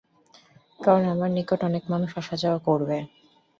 কারণ, আমার নিকট অনেক মানুষ আসা-যাওয়া করবে।